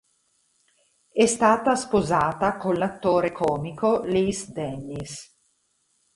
È stata sposata con l'attore comico Les Dennis.